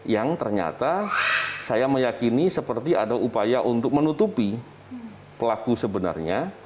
yang ternyata saya meyakini seperti ada upaya untuk menutupi pelaku sebenarnya